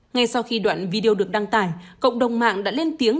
ngay sau khi đoạn video được đăng tải cộng đồng mạng đã lên tiếng